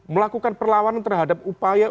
melakukan perlawanan terhadap upaya